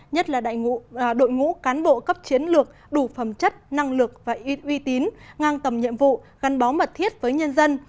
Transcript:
nhất là đội ngũ cán bộ cấp chiến lược đủ phẩm chất năng lực và ít uy tín ngang tầm nhiệm vụ gắn bó mật thiết với nhân dân